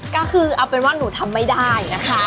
ก็คือเอาเป็นว่าหนูทำไม่ได้นะคะ